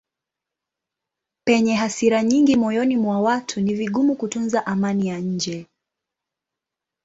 Penye hasira nyingi moyoni mwa watu ni vigumu kutunza amani ya nje.